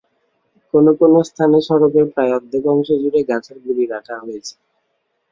কোনো কোনো স্থানে সড়কের প্র্রায় অর্ধেক অংশজুড়ে গাছের গুঁড়ি রাখা হয়েছে।